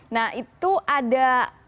nah itu ada